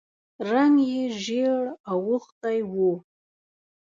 رنګ یې ژېړ اوښتی و.